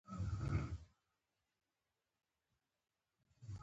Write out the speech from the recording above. شېرمحمد له خپل ځانه تاو شوی څادر خلاص کړ.